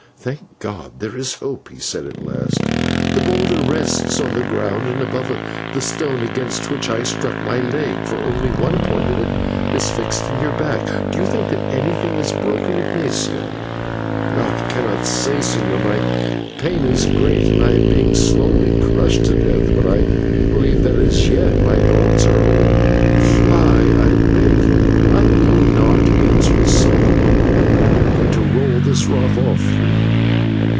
"Thank God! there is hope," he said at last, "the boulder rests on the ground and upon the stone against which I struck my leg, for only one point of it is fixed in your back. Do you think that anything is broken, Ignatio?" "I cannot say, señor, my pain is great, and I am being slowly crushed to death; but I believe that as yet my bones are whole. Fly, I beg of you." "I will not," he answered sullenly, "I am going to roll this rock off you."